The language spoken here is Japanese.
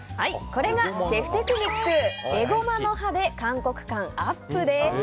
これがシェフテクニックエゴマの葉で韓国感ＵＰです。